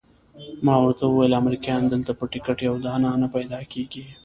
ما ورته وویل امریکایان دلته په ټکټ یو دانه نه پیدا کیږي.